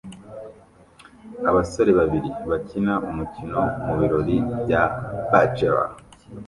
Abasore babiri bakina umukino mubirori bya bachelor